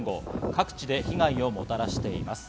各地で被害をもたらしています。